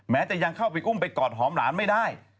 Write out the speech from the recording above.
จะยังเข้าไปอุ้มไปกอดหอมหลานไม่ได้